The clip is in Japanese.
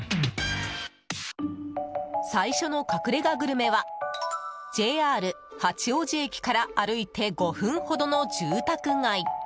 最初の隠れ家グルメはＪＲ八王子駅から歩いて５分ほどの住宅街。